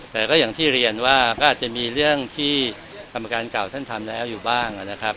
แต่ก็อย่างที่เรียนว่าก็อาจจะมีเรื่องที่กรรมการเก่าท่านทำแล้วอยู่บ้างนะครับ